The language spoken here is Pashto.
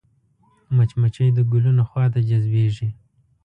مچمچۍ د ګلونو خوا ته جذبېږي